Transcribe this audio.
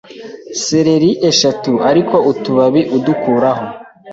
Seleri eshatu ariko utubabi udukuraho